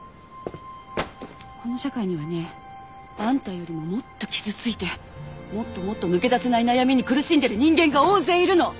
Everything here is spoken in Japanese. この社会にはねあんたよりももっと傷ついてもっともっと抜け出せない悩みに苦しんでる人間が大勢いるの！